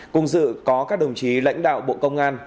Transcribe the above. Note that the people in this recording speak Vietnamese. cùng dự có các đồng chí lãnh đạo bộ công an